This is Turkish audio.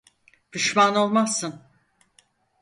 Pişman olmazsın.